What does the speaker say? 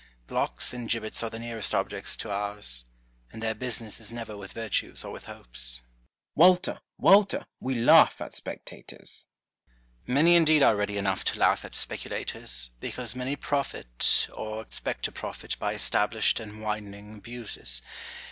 Blocks and gibbets are the nearest objects to ours, and their business is never with virtues or with hopes. Cromwell. Walter ! Walter ! we laugh at speculatoi'S. Noble. Many indeed are ready enough to laugh at CROMWELL AND WALTER NOBLE, 155 speculators, because many profit, or expect to profit, by established and widening abuses.